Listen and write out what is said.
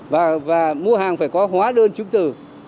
và mua hàng phải có hóa đơn chứng từ